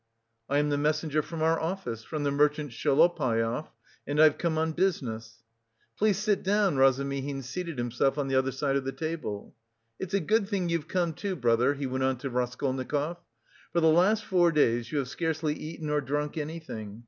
"I am the messenger from our office, from the merchant Shelopaev, and I've come on business." "Please sit down." Razumihin seated himself on the other side of the table. "It's a good thing you've come to, brother," he went on to Raskolnikov. "For the last four days you have scarcely eaten or drunk anything.